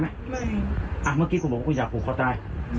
เมื่อกี้มันอยากผูกยังไม่อยากผูกเปล่า